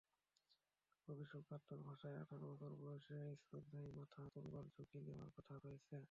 কবি সুকান্তর ভাষায়, আঠারো বছর বয়সে স্পর্ধায় মাথা তোলবার ঝুঁকি নেওয়ার কথা রয়েছে।